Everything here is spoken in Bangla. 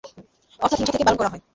অর্থাৎ হিংসা থেকে বারণ করা হয়।